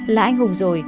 là anh hùng rồi